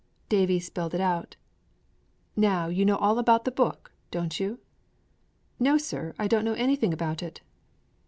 Davie spelled it out. 'Now you know all about the book, don't you?' 'No, sir, I don't know anything about it.'